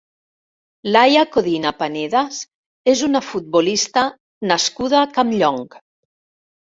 Laia Codina Panedas és una futbolista nascuda a Campllong.